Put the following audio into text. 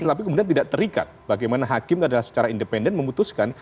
tapi kemudian tidak terikat bagaimana hakim adalah secara independen memutuskan